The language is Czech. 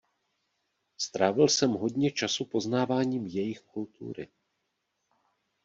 Strávil jsem hodně času poznáváním jejich kultury.